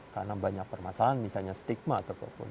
karena banyak permasalahan misalnya stigma ataupun